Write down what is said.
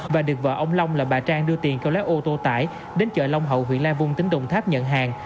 và được vợ ông long là bà trang đưa tiền kêu lá ô tô tải đến chợ long hậu huyện la vung tỉnh đồng tháp nhận hàng